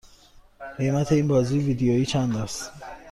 قیمت این بازی ویدیویی چند است؟